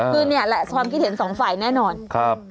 คือนี่แหละความคิดเห็นสองฝ่ายแน่นอนครับ